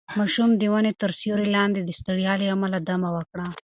ماشوم د ونې تر سیوري لاندې د ستړیا له امله دمه وکړه.